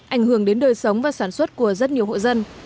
ảnh hưởng đến đời sống và sản xuất của rất nhiều hộ dân